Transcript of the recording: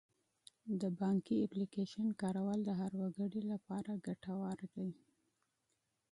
د بانکي اپلیکیشن کارول د هر وګړي لپاره ګټور دي.